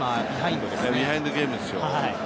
ビハインドゲームですよ。